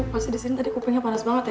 pasti disini tadi kupingnya panas banget ya